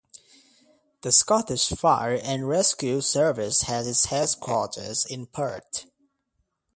The Scottish Fire and Rescue Service has its headquarters in Perth.